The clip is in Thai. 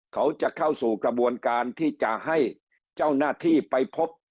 เขาจะเข้าสู่กระบวนการที่จะให้เจ้าหน้าที่ไปพบ